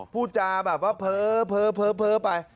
พูดจาแบบว่าเพ้อไป